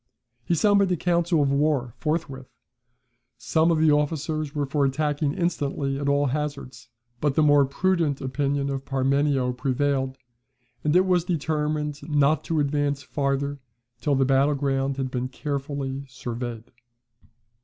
He summoned a council of war forthwith, some of the officers were for attacking instantly at all hazards, but the more prudent opinion of Parmenio prevailed, and it was determined not to advance farther till the battle ground had been carefully surveyed.